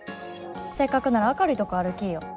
せっかくなら明るいとこ歩きいよ。